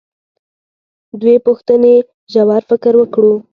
دوې پوښتنې ژور فکر وکړو.